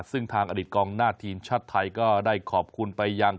ซึ่งทางอดีตกองหน้าทีมชาติไทยก็ได้ขอบคุณไปยัง